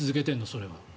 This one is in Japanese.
それは。